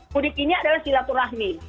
mudik ini adalah silaturahmi